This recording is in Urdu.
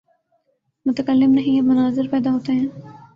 متکلم نہیں، اب مناظر پیدا ہوتے ہیں۔